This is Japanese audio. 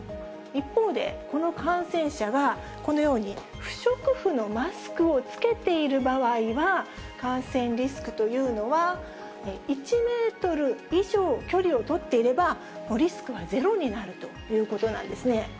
一方で、この感染者が、このように不織布のマスクを着けている場合は、感染リスクというのは、１メートル以上距離を取っていれば、リスクはゼロになるということなんですね。